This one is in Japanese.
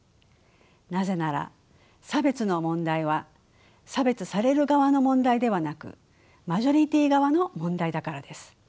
なぜなら差別の問題は差別される側の問題ではなくマジョリティー側の問題だからです。